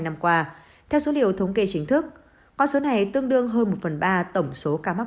năm qua theo số liệu thống kê chính thức con số này tương đương hơn một phần ba tổng số ca mắc